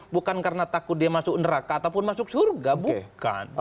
bukan karena takut dia masuk neraka ataupun masuk surga bukan